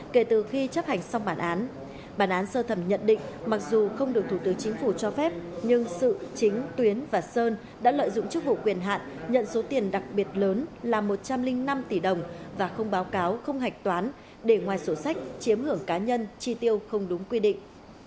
kể từ khi chấp hành xong bản án bản án sơ thẩm nhận định mặc dù không được thủ tướng chính phủ cho phép nhưng sự chính tuyến và sơn đã lợi dụng chức vụ quyền hạn nhận số tiền đặc biệt lớn là một trăm linh năm tỷ đồng và không báo cáo không hạch toán để ngoài sổ sách chiếm hưởng cá nhân chi tiêu không đúng quy định